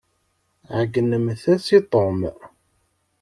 Ɛeyynemt-as i Tom.